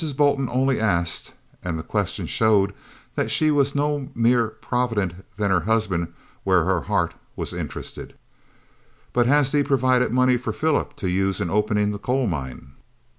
Bolton only asked (and the question showed that she was no mere provident than her husband where her heart was interested), "But has thee provided money for Philip to use in opening the coal mine?"